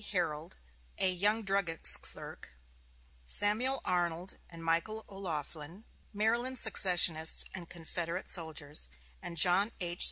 Herold, a young druggist's clerk; Samuel Arnold and Michael O'Laughlin, Maryland secessionists and Confederate soldiers; and John H.